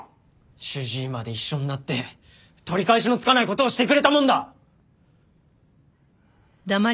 主治医まで一緒になって取り返しのつかない事をしてくれたもんだ！